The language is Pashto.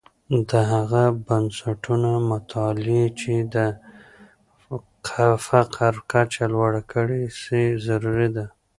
د هغه بنسټونو مطالعه چې د فقر کچه لوړه کړې سي، ضروری ده.